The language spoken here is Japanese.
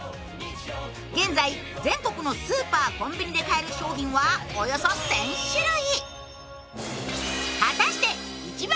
現在、全国のスーパー、コンビニで買える商品はおよそ１０００種類。